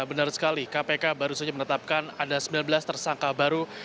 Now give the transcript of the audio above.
benar sekali kpk baru saja menetapkan ada sembilan belas tersangka baru